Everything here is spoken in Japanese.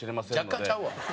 若干ちゃうわ！